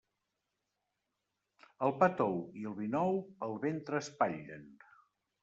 El pa tou i el vi nou, el ventre espatlen.